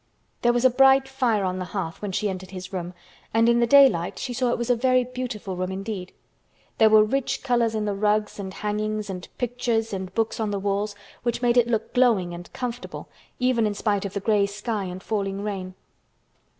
There was a bright fire on the hearth when she entered his room, and in the daylight she saw it was a very beautiful room indeed. There were rich colors in the rugs and hangings and pictures and books on the walls which made it look glowing and comfortable even in spite of the gray sky and falling rain.